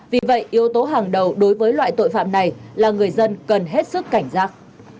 vì vậy yếu tố hàng đầu đối với loại tội phạm này là người dân cần hết sức cảnh giác